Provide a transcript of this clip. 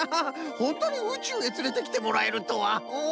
ほんとにうちゅうへつれてきてもらえるとはおお。